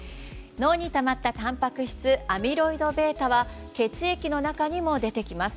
脳にたまったたんぱく質アミロイドβは血液の中にも出てきます。